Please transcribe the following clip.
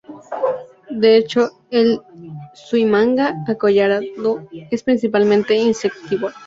De hecho, el suimanga acollarado es principalmente insectívoro.